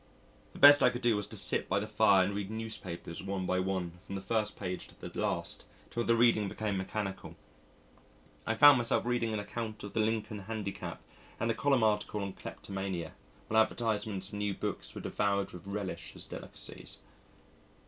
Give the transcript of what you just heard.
The best I could do was to sit by the fire and read newspapers one by one from the first page to the last till the reading became mechanical. I found myself reading an account of the Lincoln Handicap and a column article on Kleptomania, while advertisements of new books were devoured with relish as delicacies.